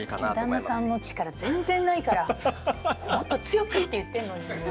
旦那さんの力全然ないからもっと強く！って言ってんのにもう全然。